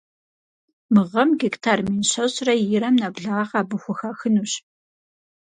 Мы гъэм гектар мин щэщӀрэ ирэм нэблагъэ абы хухахынущ.